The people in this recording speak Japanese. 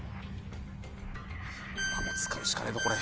使うしかねえぞこれ。